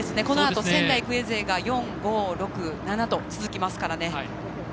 このあと仙台育英勢が４、５、６、７と続きますからね。